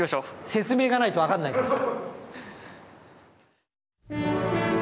説明がないと分かんないからさ。